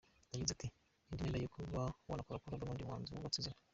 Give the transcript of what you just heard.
Yagize ati: "Ni indi ntera yo kuba wakorana collabo n'undi muhanzi wubatse izina.